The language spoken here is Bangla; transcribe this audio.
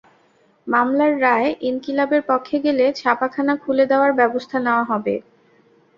মামলার রায় ইনকিলাবের পক্ষে গেলে ছাপাখানা খুলে দেওয়ার ব্যবস্থা নেওয়া হবে।